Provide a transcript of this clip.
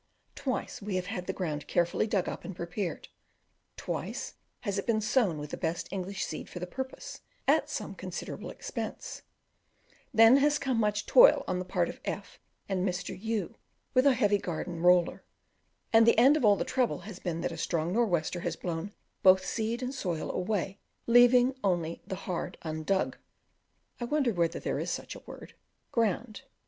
Twice have we had the ground carefully dug up and prepared; twice has it been sown with the best English seed for the purpose, at some considerable expense; then has come much toil on the part of F and Mr. U with a heavy garden roller; and the end of all the trouble has been that a strong nor' wester has blown both seed and soil away, leaving only the hard un dug (I wonder whether there is such a word) ground.